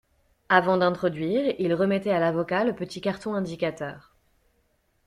Avant d'introduire, il remettait à l'avocat le petit carton indicateur.